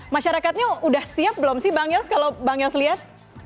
masyarakatnya sudah siap belum sih bang yos kalau bang yos lihat